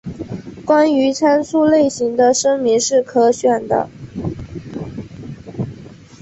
关于参数类型的声明是可选的。